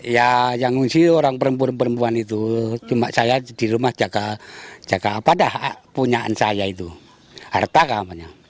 ya yang ngungsi orang perempuan perempuan itu cuma saya di rumah jaga apa dah punyaan saya itu harta keamanannya